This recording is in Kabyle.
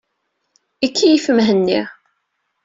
Ikeyyef Mhenni.